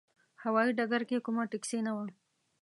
هوايي ډګر کې کومه ټکسي نه وه.